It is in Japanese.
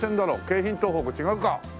京浜東北違うか！